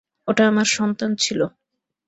ওটা আমার সন্তান ছিল।